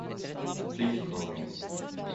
Please call me.